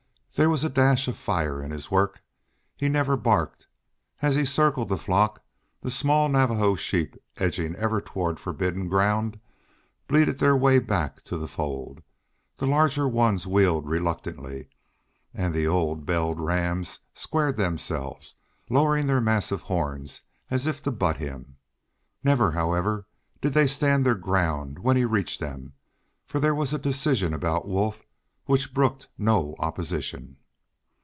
There was dash and fire in his work. He never barked. As he circled the flock the small Navajo sheep, edging ever toward forbidden ground, bleated their way back to the fold, the larger ones wheeled reluctantly, and the old belled rams squared themselves, lowering their massive horns as if to butt him. Never, however, did they stand their ground when he reached them, for there was a decision about Wolf which brooked no opposition.